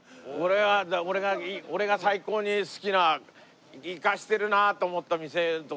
俺が最高に好きなイカしてるなと思った店とか。